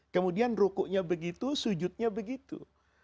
kemudian rukunya begitu sujudnya begitu